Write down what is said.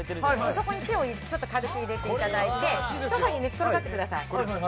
そこに手を軽く入れていただいてソファに寝転がってください。